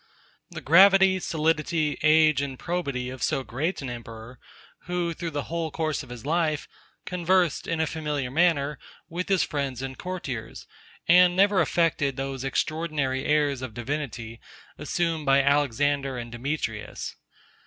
The gravity, solidity, age, and probity of so great an emperor, who, through the whole course of his life, conversed in a familiar manner with his friends and courtiers, and never affected those extraordinary airs of divinity assumed by Alexander and Demetrius.